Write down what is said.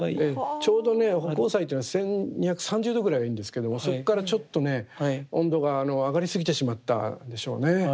ちょうどね葆光彩というのは１，２３０度ぐらいがいいんですけどもそこからちょっとね温度が上がりすぎてしまったんでしょうね。